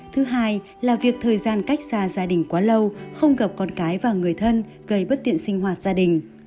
thứ hai là việc thời gian cách xa gia đình quá lâu không gặp con cái và người thân gây bất tiện sinh hoạt gia đình